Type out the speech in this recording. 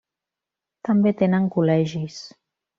També tenen col·legis.